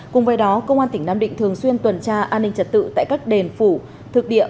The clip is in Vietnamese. cùng với đó công an tỉnh nam định thường xuyên tuần tra an ninh trật tự tại các đền phủ thực địa